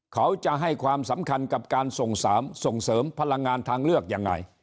เขาจะให้ความสำคัญกับการส่งเสริมพลังงานทางเลือกยังไง